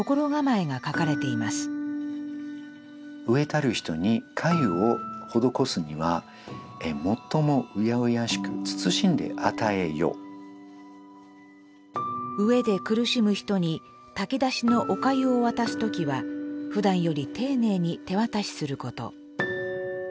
飢えで苦しむ人に炊き出しのお粥を渡す時はふだんより丁寧に手渡しすること。